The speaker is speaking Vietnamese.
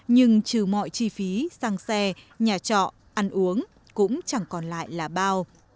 nhưng trừ mọi chi phí sang xe nhà trọ ăn uống cũng chẳng còn lại là bao